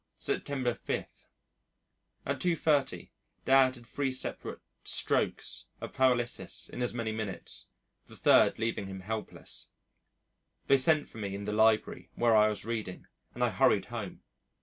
September 5. At 2.30 Dad had three separate "strokes" of paralysis in as many minutes, the third leaving him helpless. They sent for me in the Library, where I was reading, and I hurried home.